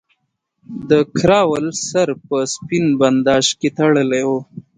د کراول سر په سپین بنداژ کې تړلی وو.